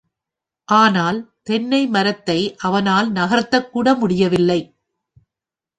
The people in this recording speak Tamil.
ஆனால், தென்னை மரத்தை அவனால் நகர்த்தக்கூட முடியவில்லை!